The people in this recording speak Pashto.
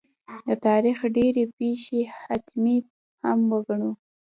د تاریخ ډېرې پېښې حتمي هم وګڼو.